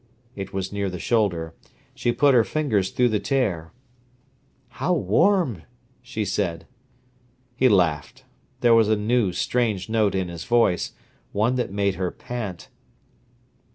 It was near the shoulder. She put her fingers through the tear. "How warm!" she said. He laughed. There was a new, strange note in his voice, one that made her pant.